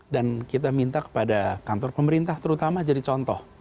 dan kita minta kepada kantor pemerintah terutama jadi contoh